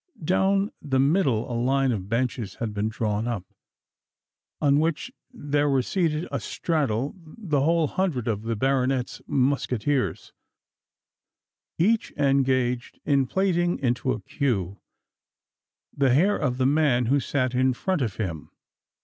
Down the middle a line of benches had been drawn up, on which there were seated astraddle the whole hundred of the baronet's musqueteers, each engaged in plaiting into a queue the hair of the man who sat in front of him.